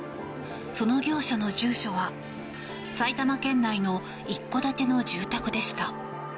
その業者の住所は、埼玉県内の一戸建ての住宅でした。